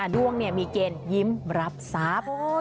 ดวงมีเกณฑ์ยิ้มรับทรัพย์